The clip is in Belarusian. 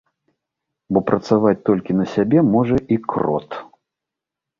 Бо працаваць толькі на сябе можа і крот.